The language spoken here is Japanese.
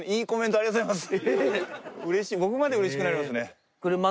ありがとうございます！